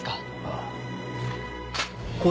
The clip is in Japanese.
ああ。